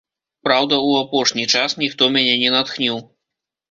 Праўда, у апошні час ніхто мяне не натхніў.